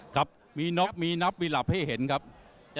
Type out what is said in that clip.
ครับมีน็อกมีนับมีหลับให้เห็นครับ